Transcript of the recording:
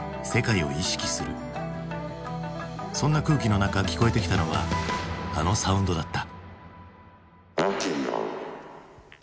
そんな空気の中聞こえてきたのはあのサウンドだった。